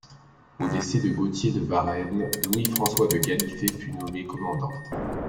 Au décès de Gaultier de Varennes, Louis-François de Galifet fut nommé commandant.